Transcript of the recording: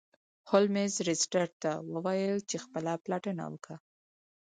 هولمز لیسټرډ ته وویل چې ته خپله پلټنه وکړه.